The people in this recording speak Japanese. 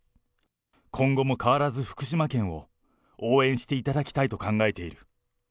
今後も変わらず福島県を応援していただきたいと考えている。